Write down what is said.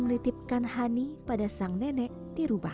melitipkan hani pada sang nenek dirubah